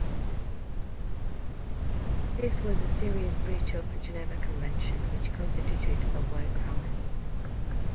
This was a serious breach of the Geneva Convention which constituted a war crime.